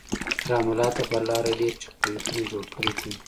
رام الله ته پر لاره ډېر چک پواینټونه جوړ کړي دي.